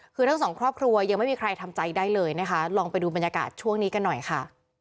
คือทั้งสองครอบครัวยังไม่มีใครทำใจได้เลยนะคะลองไปดูบรรยากาศช่วงนี้กันหน่อยค่ะ